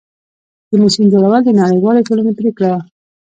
د کمیسیون جوړول د نړیوالې ټولنې پریکړه وه.